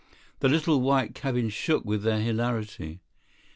The little white cabin shook with their hilarity.